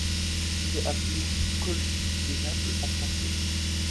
Elle est appelée Colchique de Naples en français.